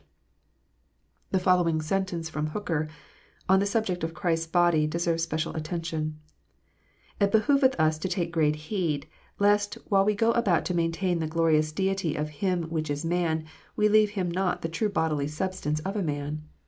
There will be a real bodily presence * The following sentence from Hooker, on the subject of Christ s body, deserves special attention :" It behoveth us to take great heed, lest while we go about to maintain the glorious deity of Him which is man, we leave Him not the true bodily sub stance of a man.